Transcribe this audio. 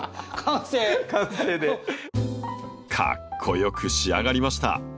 かっこよく仕上がりました！